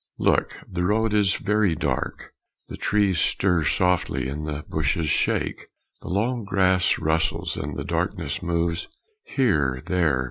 Look! the road is very dark The trees stir softly and the bushes shake, The long grass rustles, and the darkness moves Here! there!